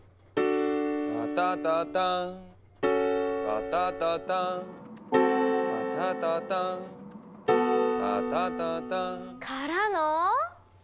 「タタタターン」「タタタターン」「タタタターン」「タタタターン」からの。